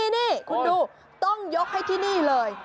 นี่คุณดูต้องยกให้ที่นี่เลย